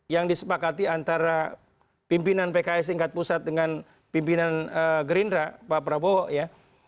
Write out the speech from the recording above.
yang disepakati antara pimpinan pks tingkat pusat dengan pimpinan gerindra pak prabowo ya